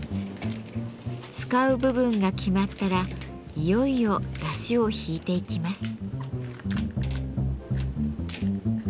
使う部分が決まったらいよいよだしをひいていきます。